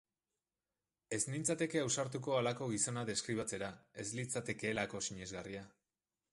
Ez nintzateke ausartuko halako gizona deskribatzera, ez litzatekeelako sinesgarria.